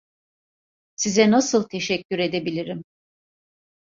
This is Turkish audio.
Size nasıl teşekkür edebilirim?